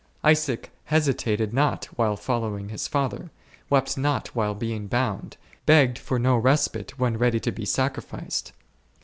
Isaac hesitated not while following his father; wept not while being bound ; begged for no respite when ready to be sacrificed.